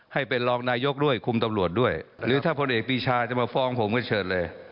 ให้เป็นรองนายกด้วยคุมตำรวจด้วยหรือถ้าพลเอกปีชาจะมาฟ้องผมก็เชิญเลย